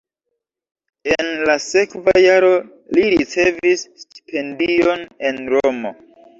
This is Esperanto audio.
En la sekva jaro li ricevis stipendion en Romo.